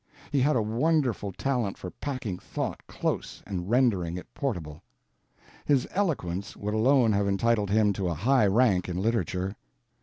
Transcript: He had a wonderful talent for packing thought close and rendering it portable. His eloquence would alone have entitled him to a high rank in literature.